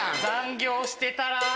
残業してたら